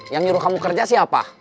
yang nyuruh kamu kerja siapa